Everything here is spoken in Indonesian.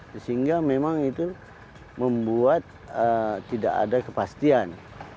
sehingga memang itu membuat tidak ada kepastian